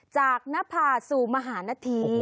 จากนภาษุมหานที